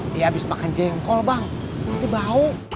dia habis makan jengkol bang nanti bau